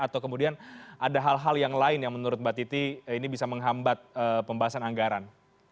atau kemudian ada hal hal yang lain yang menurut mbak titi ini bisa menghambat pembahasan anggaran